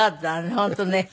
本当ね。